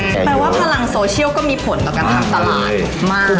แปลว่าพลังโซเชียลก็มีผลต่อการทำตลาดมาก